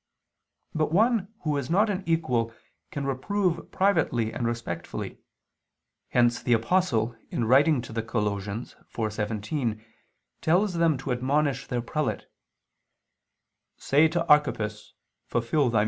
But one who is not an equal can reprove privately and respectfully. Hence the Apostle in writing to the Colossians (4:17) tells them to admonish their prelate: "Say to Archippus: Fulfil thy ministry [*Vulg.